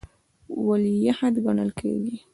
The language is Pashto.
ولیعهد ګڼل کېدی.